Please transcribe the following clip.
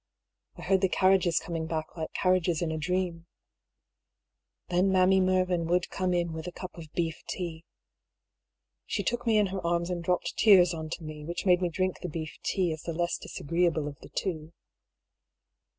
I heard the carriages coming back like carriages in a dream. Then Mammy Mervyn would 126 I>B. PAULL'S THEORY. come in with a cup of beef tea. She took me in her arms and dropped tears on to me, which made me drink the beef tea, as the less disagreeable of the two.